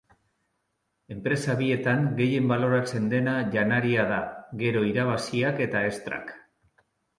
Enpresa bietan gehien baloratzen dena janaria da, gero irabaziak eta extrak.